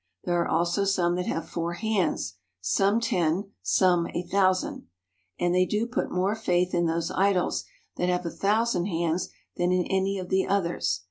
There are also some that have four hands, some ten, some a thousand. And they do put more faith in those idols that have a thou sand hands than in any of the others.